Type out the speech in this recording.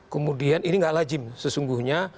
kemudian ini gak lajim sesungguhnya